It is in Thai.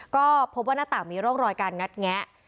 ก็พบว่าหน้าต่างมีร่องรอยการงัดแงะ